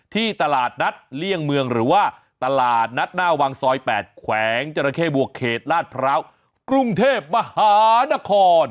ที่ตลาดนัดเลี่ยงเมืองหรือว่าตลาดนัดหน้าวังซอย๘แขวงจราเข้บวกเขตลาดพร้าวกรุงเทพมหานคร